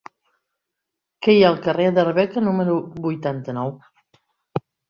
Què hi ha al carrer d'Arbeca número vuitanta-nou?